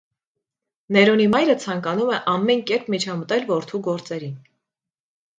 Ներոնի մայրը ցանկանում է ամեն կերպ միջամտել որդու գործերին։